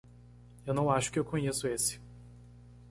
Eu não acho que eu conheço esse.